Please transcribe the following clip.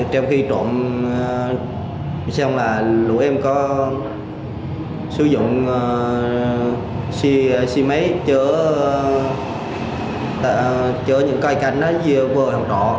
trong khi trộm lũ em có sử dụng xe máy chở những cây cảnh vừa vào trọ